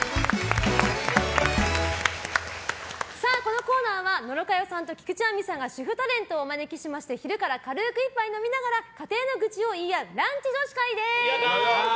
このコーナーは野呂佳代さんと菊地亜美さんが主婦ゲストをお迎えしまして昼から軽く一杯飲みながら家庭の愚痴を言い合うランチ女子会です。